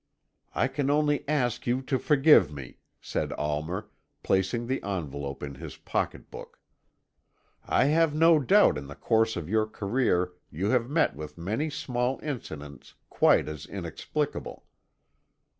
"I can only ask you to forgive me," said Almer, placing the envelope in his pocket book. "I have no doubt in the course of your career you have met with many small incidents quite as inexplicable."